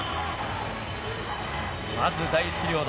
まず第１ピリオド